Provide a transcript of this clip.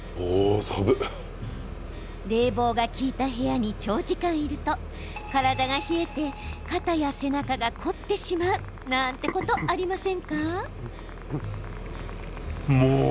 冷房が効いた部屋に長時間いると、体が冷えて肩や背中が凝ってしまうなんてことありませんか？